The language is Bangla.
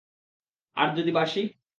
আর যদি বাসি?